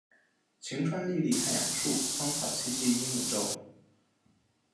晴川历历汉阳树，芳草萋萋鹦鹉洲。